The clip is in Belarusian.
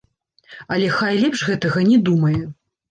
Але хай лепш гэтага не думае.